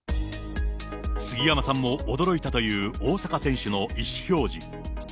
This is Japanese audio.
杉山さんも驚いたという大坂選手の意思表示。